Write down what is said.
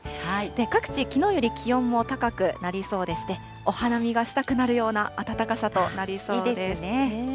各地、きのうより気温も高くなりそうでして、お花見がしたくなるような暖かさとなりそうですね。